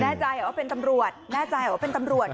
แน่ใจว่าเป็นตำรวจแน่ใจเหรอว่าเป็นตำรวจ